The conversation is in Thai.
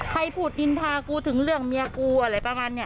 ให้พูดอินทากูถึงเรื่องเมียกูอะไรประมาณนี้